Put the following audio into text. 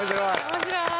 面白い。